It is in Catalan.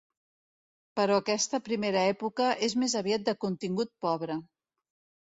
Però aquesta primera època és més aviat de contingut pobre.